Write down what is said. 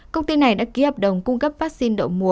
công ty này đã ký hợp đồng cung cấp vaccine đậu mùa